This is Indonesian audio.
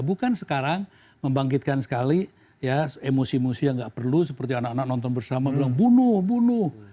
bukan sekarang membangkitkan sekali ya emosi emosi yang nggak perlu seperti anak anak nonton bersama bilang bunuh bunuh